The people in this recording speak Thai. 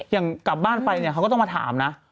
อย่างกลับบ้านไปเนี่ยเขาก็ต้องมาถามนะ